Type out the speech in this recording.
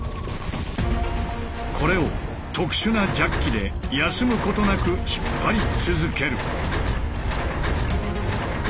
これを特殊なジャッキで休むことなく引っ張り続ける。